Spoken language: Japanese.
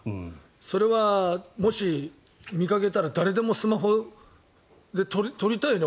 それはもし、見かけたら誰でもスマホで撮りたいよね。